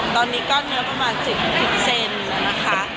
ตอนนี้ก้อนเนื้อประมาณ๑๐เซนนะคะ